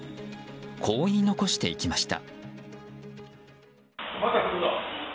こう言い残していきました。